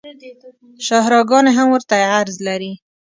شاهراه ګانې هم ورته عرض لري